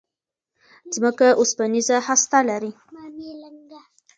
ځمکه اوسپنيزه هسته لري.